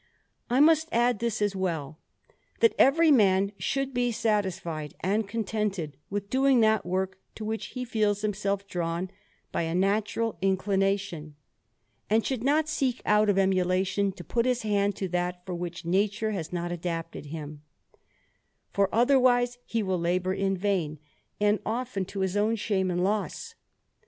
I must add this as well, that every man should be satisfied and contented with doing that work to which he feels himself drawn by a natural inclination, and should not seek, out of emulation, to put his hand to that for which nature has not adapted him; for otherwise he will labour in vain, and often to his own shame and loss.